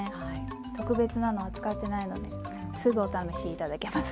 特別なのは使ってないのですぐお試し頂けます。